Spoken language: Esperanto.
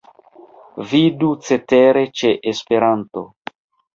Vidu cetere ĉe Esperanto.